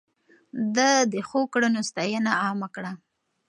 ده د ښو کړنو ستاينه عامه کړه.